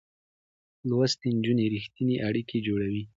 لوستې نجونې رښتينې اړيکې جوړوي.